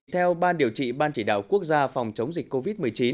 theo ban điều trị ban chỉ đạo quốc gia phòng chống dịch covid một mươi chín